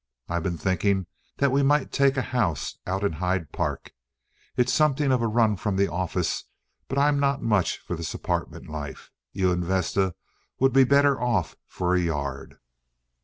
I've been thinking that we might take a house out in Hyde Park. It's something of a run from the office, but I'm not much for this apartment life. You and Vesta would be better off for a yard.